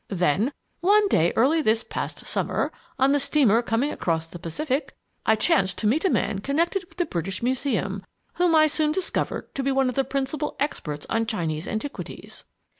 Then, one day early this past summer, on the steamer coming across the Pacific, I chanced to meet a man connected with the British Museum whom I soon discovered to be one of the principal experts on Chinese antiquities.